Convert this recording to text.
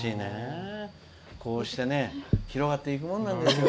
こうして広がっていくものなんですよ。